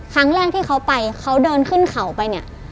ครั้งแรกที่เขาไปเขาเดินขึ้นเขาไปเนี่ย